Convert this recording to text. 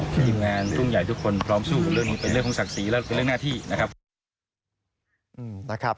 ทีมงานทุ่งใหญ่ทุกคนพร้อมสู้กับเรื่องนี้เป็นเรื่องของศักดิ์ศรีและเป็นเรื่องหน้าที่นะครับ